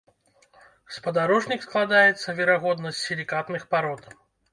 Спадарожнік складаецца, верагодна, з сілікатных парод.